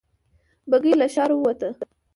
بګۍ له ښاره ووته.